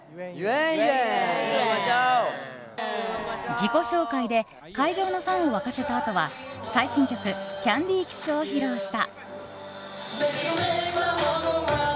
自己紹介で会場のファンを沸かせたあとは最新曲「ＣａｎｄｙＫｉｓｓ」を披露した。